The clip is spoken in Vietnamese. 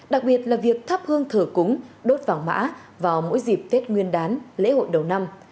đặc biệt là việc thắp hương thờ cúng đốt vàng mã vào mỗi dịp tết nguyên đán lễ hội đầu năm